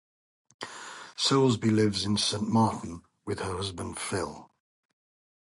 Soulsby lives in Saint Martin with her husband Phil.